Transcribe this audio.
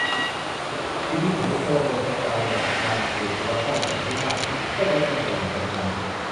นิธิ : ผมไม่เชื่อว่าคนชั้นกลางระดับกลางเกลียดคอรัปชั่นอย่างที่อ้าง ก็ยัดเงินตำรวจกันทั้งนั้น